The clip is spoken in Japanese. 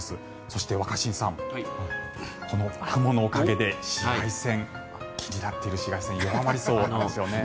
そして、若新さんこの雲のおかげで紫外線、気になっている紫外線弱まりそうなんですよね。